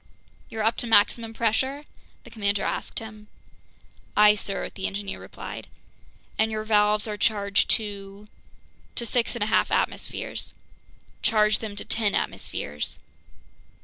"You're up to maximum pressure?" the commander asked him. "Aye, sir," the engineer replied. "And your valves are charged to ...?" "To six and a half atmospheres." "Charge them to ten atmospheres."